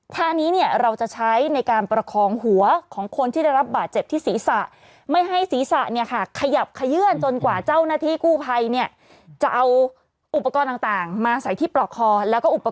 ทางนี้เนี่ยเราจะใช้ในการประคองหัวของคนที่ได้รับบาดเจ็บที่ศีรษะ